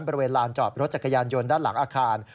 บริเวณลานจอดรถจักรยานยนต์ด้านหลังอาคาร